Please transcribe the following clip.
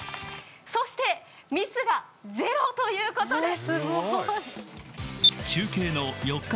そして、ミスが０ということです！